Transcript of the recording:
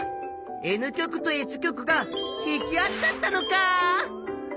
Ｎ極とＳ極が引き合っちゃったのか！